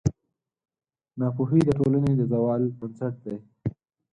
ناپوهي د ټولنې د زوال بنسټ دی.